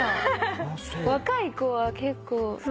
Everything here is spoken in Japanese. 若い子は結構。